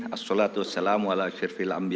assalatu wassalamu ala syirfil amin